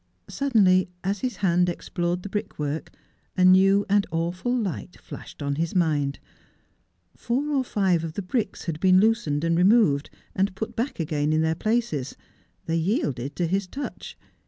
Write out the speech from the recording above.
Suddenly, as his hand explored the brickwork, a new and awful light flashed on his mind. Four or five of the bricks had been loosened and removed, and put back again in their places. They yielded to his touch.